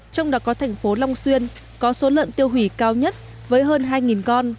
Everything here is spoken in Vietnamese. trong đó có thành phố long xuyên có số lợn tiêu hủy cao nhất với hơn hai con